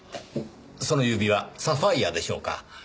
その指輪サファイアでしょうか？